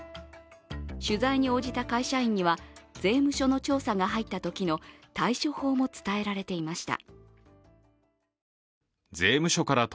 取材に応じた会社員には、税務署の調査が入ったときの対処法も伝えられていました。